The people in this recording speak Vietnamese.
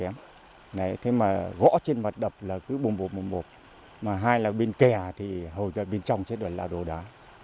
mà hai là bên kè thì hầu trời bên trong sẽ đổi là đồ đá